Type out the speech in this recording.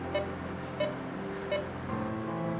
maurel dan kaurel